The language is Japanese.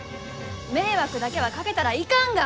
迷惑だけはかけたらいかんが！